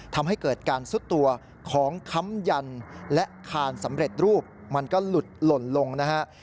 ทำให้เกิดการซุดตัวของค้ำยันและคานสำเร็จรูปมันก็หลุดหล่นลงนะฮะ